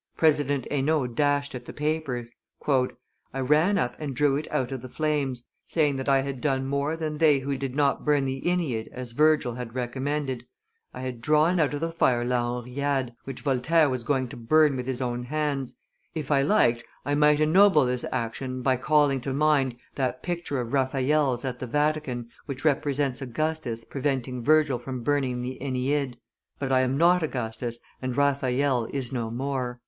President Henault dashed at the papers. "I ran up and drew it out of the flames, saying that I had done more than they who did not burn the AEneid as Virgil had recommended; I had drawn out of the fire La Henriade, which Voltaire was going to burn with his own hands. [Illustration: The Rescue of "La Henriade." 283] If I liked, I might ennoble this action by calling to mind that picture of Raphael's at the Vatican which represents Augustus preventing Virgil from burning the AEneid; but I am not Augustus, and Raphael is no more."